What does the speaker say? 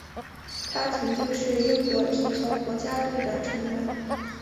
他曾经是英国体操国家队的成员。